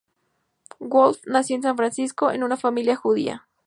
Wolf nació en San Francisco en una familia judía.